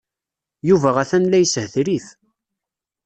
Yuba atan la yeshetrif.